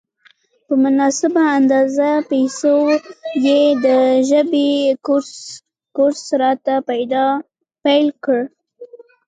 په مناسبه اندازه پیسو یې د ژبې کورس راته پېل کړ.